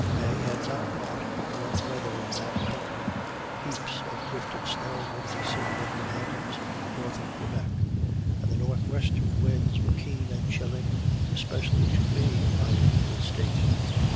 May had not brought warm weather in that country; heaps of drifted snow were to be seen in the mountains north of Quebec; and the northwestern winds were keen and chilling, especially to me in my feeble state.